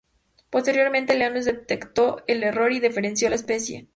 Posteriormente Linnaeus detectó el error y diferenció la especie.